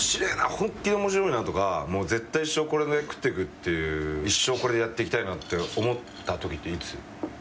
本気で面白いなとかもう絶対一生これで食ってくっていう一生これでやっていきたいなって思ったときっていつ？